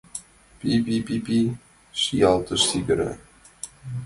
— Пи-пи-пи, — шиялтыш сигыра.